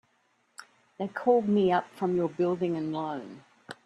They called me up from your Building and Loan.